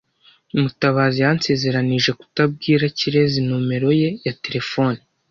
Mutabazi yansezeranije kutabwira Kirezi numero ye ya terefone.